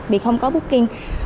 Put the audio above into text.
vì không có booking